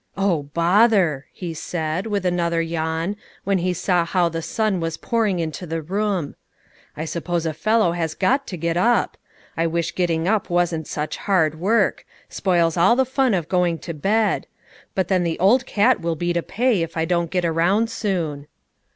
"Oh, bother!" he said, with another yawn, when he saw how the sun was pouring into the room; "I suppose a fellow has got to get up. I wish getting up wasn't such hard work, spoils all the fun of going to bed; but then the old cat will be to pay, if I don't get around soon."